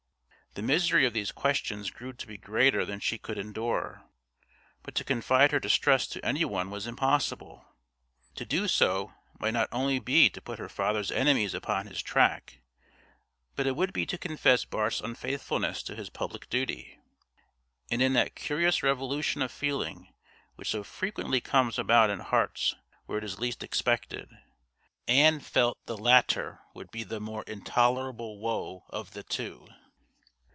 The misery of these questions grew to be greater than she could endure; but to confide her distress to any one was impossible. To do so might not only be to put her father's enemies upon his track, but it would be to confess Bart's unfaithfulness to his public duty; and in that curious revolution of feeling which so frequently comes about in hearts where it is least expected, Ann felt the latter would be the more intolerable woe of the two.